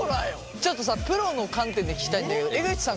ちょっとさプロの観点で聞きたいんだけど江口さん